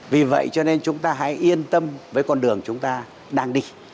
vì vậy cho nên chúng ta hãy yên tâm với con đường chúng ta đang đi